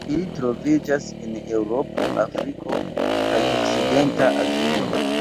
Ili troviĝas en Eŭropo, Afriko kaj okcidenta Azio.